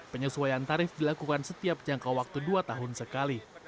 penyesuaian tarif dilakukan setiap jangka waktu dua tahun sekali